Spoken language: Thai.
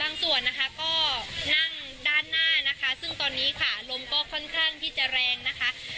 ส่วนนะคะก็นั่งด้านหน้านะคะซึ่งตอนนี้ค่ะลมก็ค่อนข้างที่จะแรงนะคะ